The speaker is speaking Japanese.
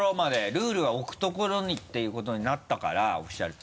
ルールは置くところにっていうことになったからオフィシャル。